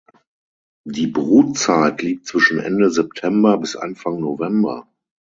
Die Brutzeit liegt zwischen Ende September bis Anfang November.